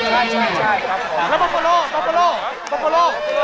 แล้วตอปปอโล